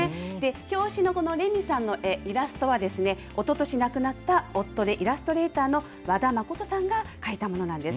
表紙のこのレミさんの絵、イラストは、おととし亡くなった、夫でイラストレーターの和田誠さんが描いたものなんです。